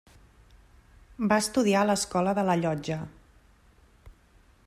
Va estudiar a l'escola de la Llotja.